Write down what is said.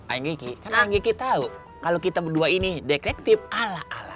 ayang kiki kan ayang kiki tahu kalau kita berdua ini dekriptif ala ala